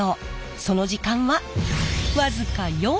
その時間は僅か４秒。